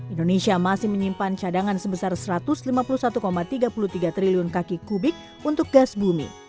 indonesia masih menyimpan cadangan sebesar satu ratus lima puluh satu tiga puluh tiga triliun kaki kubik untuk gas bumi